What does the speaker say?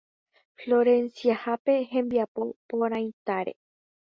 Florenciape hembiapo porãitáre.